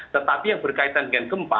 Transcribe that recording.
tetapi yang berkaitan dengan gempa